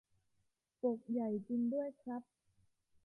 ปกใหญ่จริงด้วยครับ